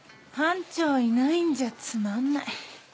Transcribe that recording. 班長いないんじゃつまんない。